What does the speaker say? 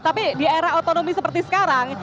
tapi di era otonomi seperti sekarang